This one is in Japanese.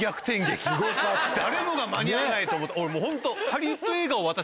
誰もが間に合わないと思ったホント。